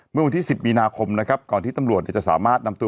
เมื่อวันที่๑๐มีนาคมนะครับก่อนที่ตำรวจจะสามารถนำตัว